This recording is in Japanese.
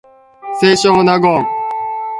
清少納言